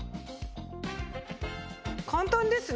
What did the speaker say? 簡単ですね。